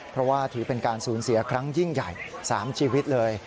เพราะว่าถือเป็นการสูญเสียครั้งยิ่งใหญ่๓ชีวิตเลย